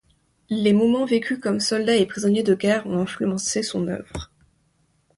Les moments vécus comme soldat et prisonnier de guerre ont influencé son œuvre.